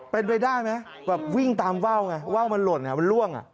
เป็นไปได้ไหมแบบวิ่งตามว่าวไงว่าวมันหล่นมันล่วง